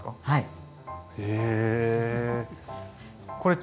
はい。